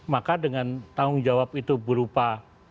maka dengan tanggung jawab itu berupa